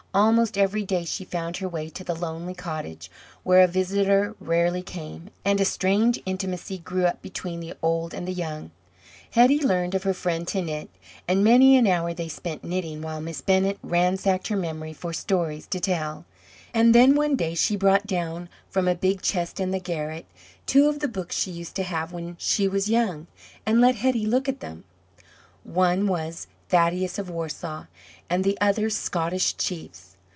Almost every day she found her way to the lonely cottage, where a visitor rarely came, and a strange intimacy grew up between the old and the young. Hetty learned of her friend to knit, and many an hour they spent knitting while Miss Bennett ransacked her memory for stories to tell. And then, one day, she brought down from a big chest in the garret two of the books she used to have when she was young, and let Hetty look at them. One was "Thaddeus of Warsaw," and the other "Scottish Chiefs."